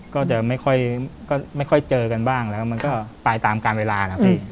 ก็จะไม่ค่อยเจอกันบ้างแล้วมันก็ไปตามการเวลานะพี่